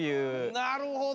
なるほど！